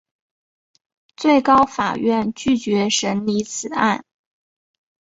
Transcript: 最高法院拒绝审理此案。